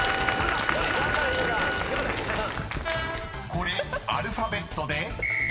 ［これアルファベットで？］